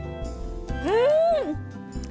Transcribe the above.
うん！